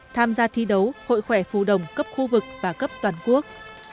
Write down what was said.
tham gia thi đấu hội khỏe phù đồng cấp khu vực và cấp toàn quốc